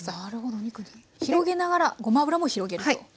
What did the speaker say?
なるほどお肉に広げながらごま油も広げると。